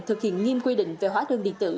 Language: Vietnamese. thực hiện nghiêm quy định về hóa đơn điện tử